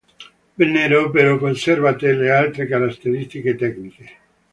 Vennero, però, conservate le altre caratteristiche tecniche.